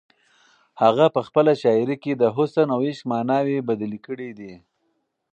هغه په خپله شاعري کې د حسن او عشق ماناوې بدلې کړې دي.